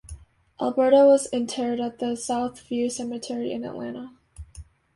Alberta was interred at the South View Cemetery in Atlanta.